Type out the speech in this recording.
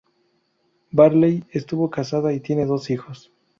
Barley estuvo casada y tiene dos hijos.